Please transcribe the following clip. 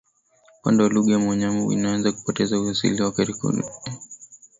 Upande wa lugha ya wanyambo imeanza kupoteza uhalisia wake huenda ikapotea kabisa